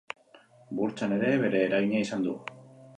Burtsan ere bere eragina izan du.